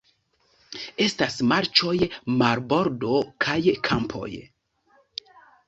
Estas marĉoj, marbordo kaj kampoj.